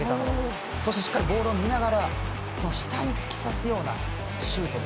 そして、しっかりとボールを見ながら下に突き刺すようなシュートで。